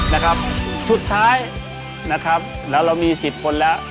นะครับสุดท้ายนะครับแล้วเรามีสิบคนแล้ว